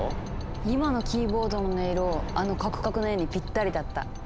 今のキーボードの音色あのカクカクの絵にピッタリだった。